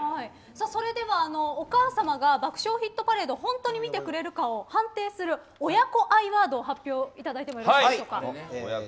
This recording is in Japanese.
お母様が「爆笑ヒットパレード」を本当に見てくれているのか判定する親子愛ワード発表いただいてもよろしいでしょうか。